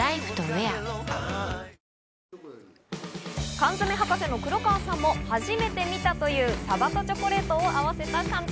缶詰博士の黒川さんも初めて見たというサバとチョコレートを合わせた缶詰。